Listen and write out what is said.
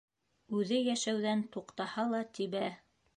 Үҙе йәшәүҙән туҡтаһа ла тибә!